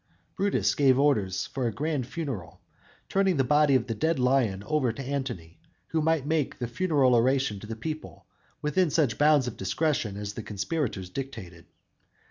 "_ Brutus gave orders for a grand funeral, turning the body of the dead lion over to Antony, who might make the funeral oration to the people within such bounds of discretion as the conspirators dictated.